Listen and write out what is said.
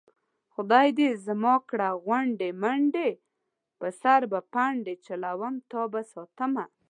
خدای دې زما کړه غونډې منډې په سر به پنډې چلوم تابه ساتمه